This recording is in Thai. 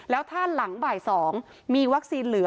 แล้วถ้าหลังบ่าย๒มีวัคซีนเหลือ